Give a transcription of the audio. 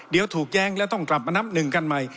เดี๋ยวถูกแย้งแล้วต้องกลับมานับหนึ่งกันใหม่